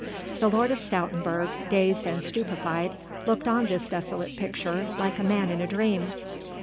The Lord of Stoutenburg dazed and stupefied looked on this desolate picture like a man in a dream.